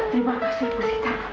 terima kasih bu sita